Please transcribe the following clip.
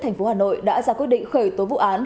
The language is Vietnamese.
thành phố hà nội đã ra quyết định khởi tố vụ án